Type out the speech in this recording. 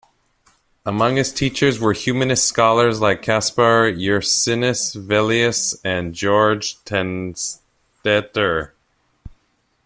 Among his teachers were humanist scholars like Kaspar Ursinus Velius and Georg Tannstetter.